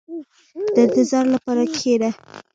• د انتظار لپاره کښېنه.